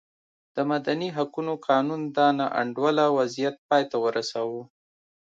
د مدني حقونو قانون دا نا انډوله وضعیت پای ته ورساوه.